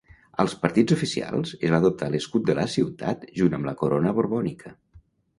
Als partits oficials, es va adoptar l'escut de la ciutat junt amb la corona borbònica.